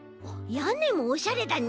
やねもおしゃれだね。